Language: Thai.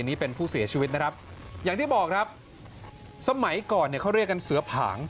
นี่เป็นผู้เสียชีวิตนะครับอย่างที่บอกครับสมัยก่อนเนี่ยเขาเรียกกันเสือผาง